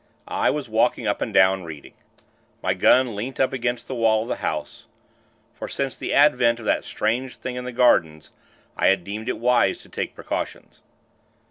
I was walking up and down, reading. My gun leant up against the wall of the house; for, since the advent of that strange thing in the gardens, I had deemed it wise to take precautions.